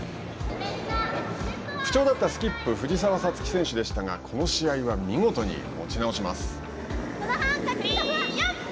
不調だったスキップ藤澤五月選手でしたがこの試合は見事に持ち直します。